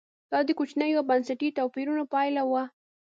دا د کوچنیو بنسټي توپیرونو پایله وه